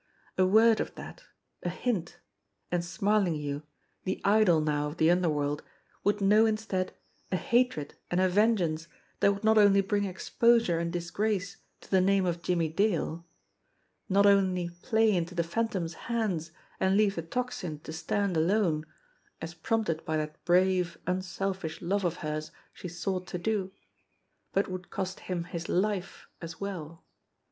A word of that, a hint, and Smarlinghue, the idol now of the underworld, would know instead a hatred and a vengeance that would not only bring exposure and disgrace to the name of Jimmie Dale, noc only play into the Phantom's hands and leave the Tocsin to stand alone, as prompted by that brave, unselfish love of hers she sought to do, but would cost him his life as well.